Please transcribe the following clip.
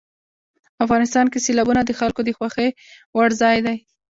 افغانستان کې سیلابونه د خلکو د خوښې وړ ځای دی.